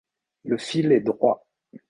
Le fil est droit.